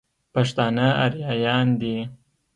پښتانه اريايان دي.